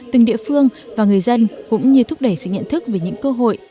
từng địa phương và người dân cũng như thúc đẩy sự nhận thức về những cơ hội